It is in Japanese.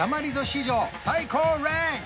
史上最高ランク！